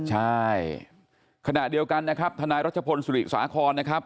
ใช่ขณะเดียวกันนะครับทนายรัชพลสุริสาครนะครับ